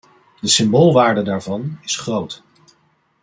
De symboolwaarde daarvan is groot.